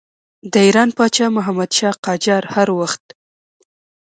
د ایران پاچا محمدشاه قاجار هر وخت.